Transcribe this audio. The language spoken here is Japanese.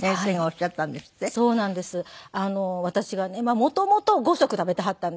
私がね元々５食食べてはったんで。